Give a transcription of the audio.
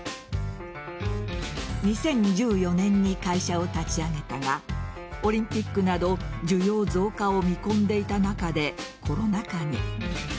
２０１４年に会社を立ち上げたがオリンピックなど需要増加を見込んでいた中でコロナ禍に。